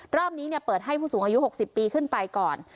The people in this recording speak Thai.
รอบนี้เนี่ยเปิดให้ผู้สูงอายุหกสิบปีขึ้นไปก่อน